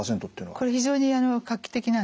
これ非常に画期的なんですね。